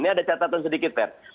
ini ada catatan sedikit pers